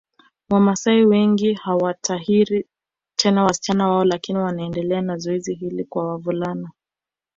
Wamaasai wengi hawatahiri tena wasichana wao lakini wanaendelea na zoezi hili kwa wavulana